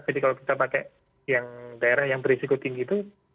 jadi kalau kita pakai daerah yang berisiko tinggi itu